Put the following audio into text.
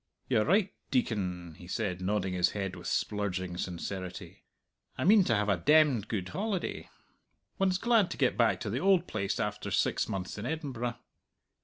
"You're right, Deacon," he said, nodding his head with splurging sincerity. "I mean to have a demned good holiday. One's glad to get back to the old place after six months in Edinburgh."